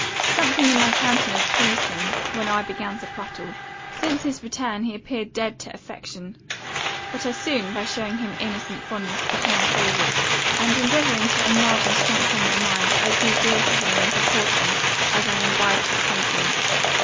Something in my countenance pleased him, when I began to prattle. Since his return, he appeared dead to affection; but I soon, by showing him innocent fondness, became a favourite; and endeavouring to enlarge and strengthen my mind, I grew dear to him in proportion as I imbibed his sentiments.